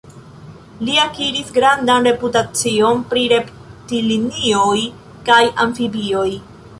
Li akiris grandan reputacion pri reptilioj kaj amfibioj.